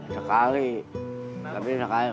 sekali tapi sekali